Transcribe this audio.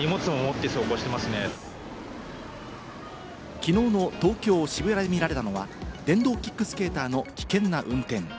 きのうの東京・渋谷で見られたのは電動キックスケーターの危険な運転。